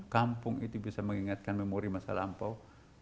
kampung itu bisa mengingatkan memori masa lampau